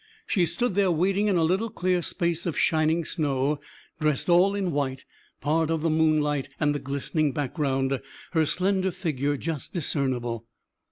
She stood there waiting in a little clear space of shining snow, dressed all in white, part of the moonlight and the glistening background, her slender figure just discernible.